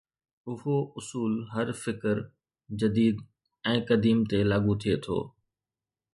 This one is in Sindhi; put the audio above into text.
اهو اصول هر فڪر، جديد ۽ قديم تي لاڳو ٿئي ٿو.